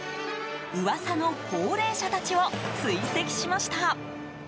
噂の幸齢者たちを追跡しました。